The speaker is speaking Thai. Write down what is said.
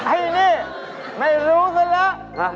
ไอ้นี่ไม่รู้สึกเลย